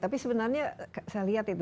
tapi sebenarnya saya lihat itu